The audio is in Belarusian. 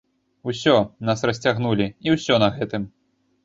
Усё, нас расцягнулі, і ўсё на гэтым.